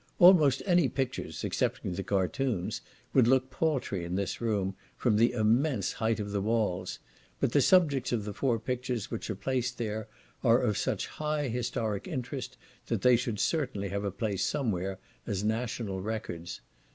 Almost any pictures (excepting the cartoons) would look paltry in this room, from the immense height of the walls; but the subjects of the four pictures which are placed there, are of such high historic interest that they should certainly have a place somewhere, as national records.